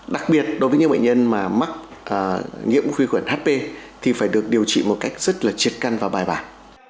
đặc biệt đối với những bệnh nhân mà mắc nhiễm khuy khuẩn hp thì phải được điều trị một cách rất là triệt căn và bài bản